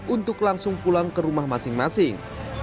untuk langsung pulang ke rumah masing masing